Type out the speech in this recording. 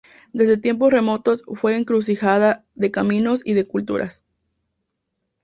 Desde tiempos remotos fue encrucijada de caminos y de culturas.